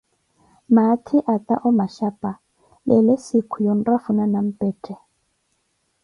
maathi ata omashapa, leelo siikhu ya onrafuna nampetthe.